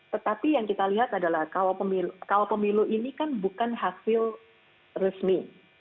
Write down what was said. tetapi yang kita lihat adalah kawal pemilu ini kan bukan hasil resmi